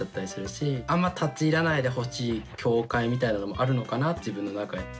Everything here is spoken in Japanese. あんま立ち入らないでほしい境界みたいなのもあるのかな自分の中で。